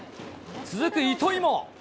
続く糸井も。